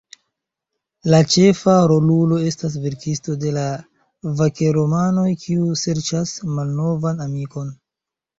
La ĉefa rolulo estas verkisto de vaker-romanoj, kiu serĉas malnovan amikon.